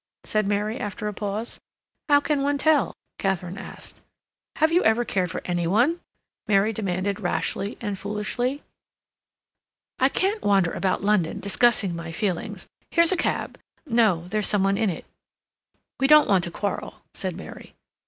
said Mary, after a pause. "How can one tell?" Katharine asked. "Have you ever cared for any one?" Mary demanded rashly and foolishly. "I can't wander about London discussing my feelings—Here's a cab—no, there's some one in it." "We don't want to quarrel," said Mary.